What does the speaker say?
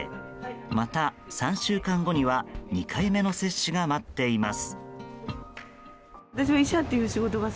また３週間後には２回目の接種が待っています。